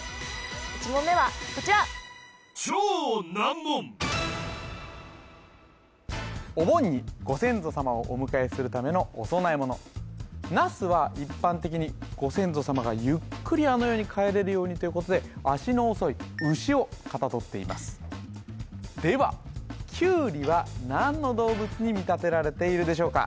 １問目はこちらお盆にご先祖様をお迎えするためのお供え物ナスは一般的にご先祖様がゆっくりあの世に帰れるようにということで足の遅い牛をかたどっていますではキュウリは何の動物に見立てられているでしょうか？